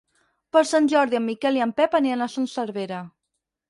Per Sant Jordi en Miquel i en Pep aniran a Son Servera.